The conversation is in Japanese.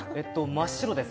真っ白です。